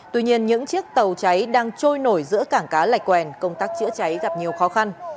tuy nhiên những chiếc tàu cháy đang trôi nổi giữa cảng cá lạch quèn công tác chữa cháy gặp nhiều khó khăn